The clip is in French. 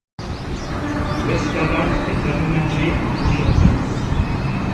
L'esplanade est aménagé en un grand jardin.